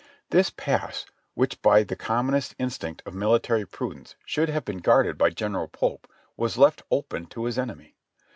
This pass, which by the commonest instinct of military prudence should have been guarded by General Pope, was left open to his enemy.